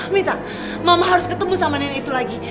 wita mama harus ketemu sama nenek itu lagi